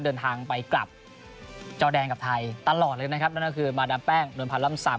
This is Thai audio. เดินทางไปกลับจอแดงกับไทยตลอดเลยนะครับนั่นก็คือมาดามแป้งนวลพันธ์ล่ำซำ